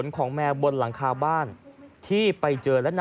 และถือเป็นเคสแรกที่ผู้หญิงและมีการทารุณกรรมสัตว์อย่างโหดเยี่ยมด้วยความชำนาญนะครับ